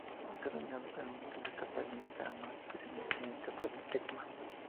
Esto determina una capa límite o más específicamente una capa de Ekman.